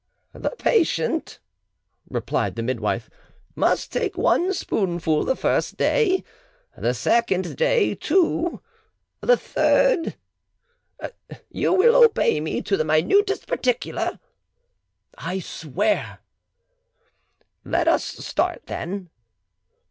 "The patient," replied the midwife, "must take one spoonful the first day; the second day two; the third——" "You will obey me to the minutest particular?" "I swear it." "Let us start, then."